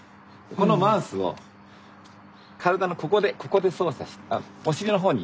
このマウスを体のここでここで操作してお尻の方に。